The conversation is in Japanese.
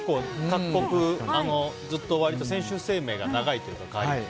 各国ずっと選手生命が長いというか。